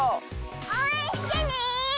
おうえんしてね！